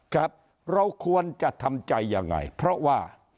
ครับเราควรจะทำใจยังไงเพราะว่า